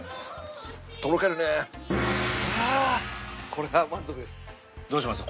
こりゃ満足です。